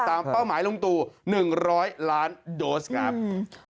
ตามเป้าหมายลงตู๑๐๐ล้านโดสครับ